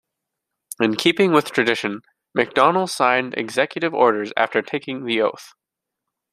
In keeping with tradition, McDonnell signed executive orders after taking the oath.